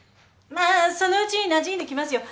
まあそのうちなじんできますよ。